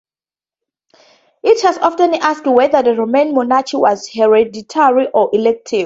It has often asked whether the Roman monarchy was hereditary or elective.